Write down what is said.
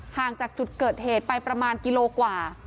ห่างจากจุดเกิดเหตุไปประมาณกิโลกว่า